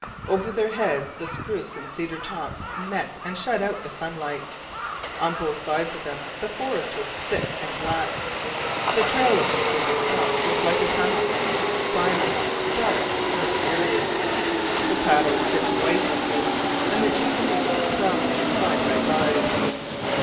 Over their heads the spruce and cedar tops met and shut out the sunlight. On both sides of them the forest was thick and black. The trail of the stream itself was like a tunnel, silent, dark, mysterious. The paddles dipped noiselessly, and the two canoes travelled side by side.